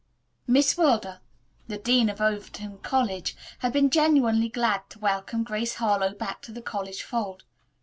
Miss Wilder, the dean of Overton College, had been genuinely glad to welcome Grace Harlowe back to the college fold.